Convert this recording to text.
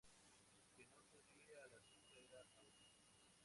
Quien no acudía a la cita era Audi.